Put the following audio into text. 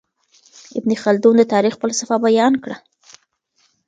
ابن خلدون د تاريخ فلسفه بيان کړه.